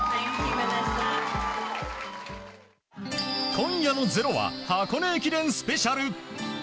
今夜の「ｚｅｒｏ」は箱根駅伝スペシャル。